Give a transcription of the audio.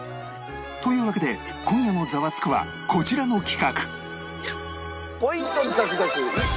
というわけで今夜の『ザワつく！』はこちらの企画